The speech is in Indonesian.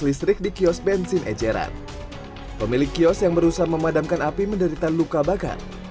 listrik di kiosk bensin eceran pemilik kiosk yang berusaha memadamkan api menderita luka bakat